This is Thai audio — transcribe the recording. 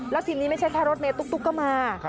แล้วทีนี้ไม่ใช่แค่รถเมย์ตุ๊กก็มา